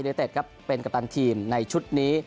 เต็ดครับเป็นกัปตันทีมในชุดนี้